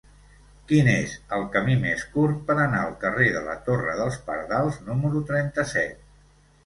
Quin és el camí més curt per anar al carrer de la Torre dels Pardals número trenta-set?